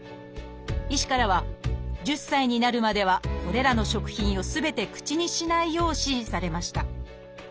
医師からは１０歳になるまではこれらの食品をすべて口にしないよう指示されました